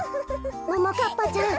ももかっぱちゃん